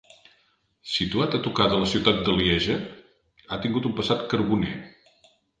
Situat a tocar de la ciutat de Lieja, ha tingut un passat carboner.